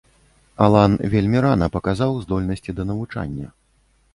Алан вельмі рана паказаў здольнасці да навучання.